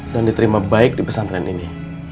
dan diterima baik di pesantren ini